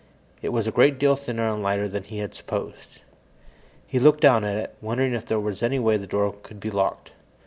It was a great deal thinner and lighter than he had supposed. He looked down at it, wondering if there were any way the door could be locked.